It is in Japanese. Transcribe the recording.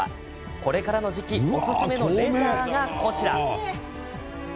これからの時期おすすめのレジャーが、こちら。